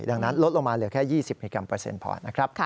ดังนั้นลดลงมาเหลือแค่๒๐มิลลิกรัมเปอร์เซ็นพอนะครับ